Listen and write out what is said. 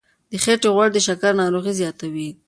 د خېټې غوړ د شکرې ناروغي زیاتوي.